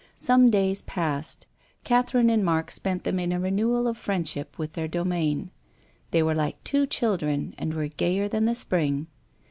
Some days passed, Catherine and Mark spent them in a renewal of friendship with their do main. They were like two children and were gayer than the spring.